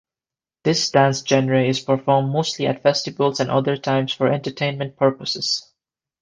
This dance genre is performed mostly at festivals and other times for entertainment purposes.